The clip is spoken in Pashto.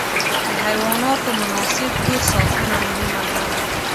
د حیواناتو مناسب کور ساتنه مهمه ده.